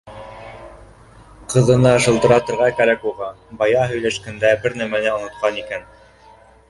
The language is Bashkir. Ҡыҙына шылтыратырға кәрәк уға, бая һөйләшкәндә бер нәмәне онотҡан икән.